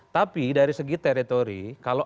tapi dari segi teritori kalau